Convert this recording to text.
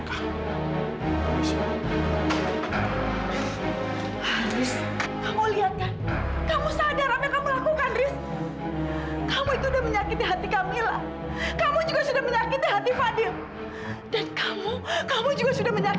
sampai jumpa di video selanjutnya